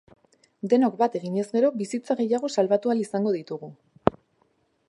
Denok bat eginez gero, bizitza gehiago salbatu ahal izango ditugu.